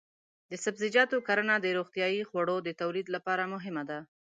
د سبزیجاتو کرنه د روغتیايي خوړو د تولید لپاره مهمه ده.